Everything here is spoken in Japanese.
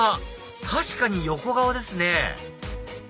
確かに横顔ですね